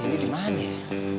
ini dimana ya